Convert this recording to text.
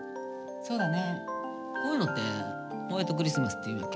そうだね。